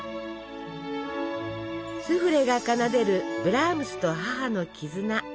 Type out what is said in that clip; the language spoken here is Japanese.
スフレが奏でるブラームスと母の絆